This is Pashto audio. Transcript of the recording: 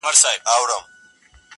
تسلیت لره مي راسی لږ یې غم را سره یوسی,